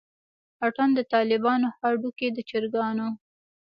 اتڼ دطالبانو هډوکے دچرګانو